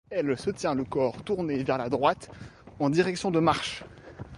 Elle se tient le corps tourné vers la droite en direction de marches.